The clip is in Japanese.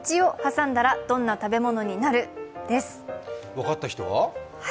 分かった人は？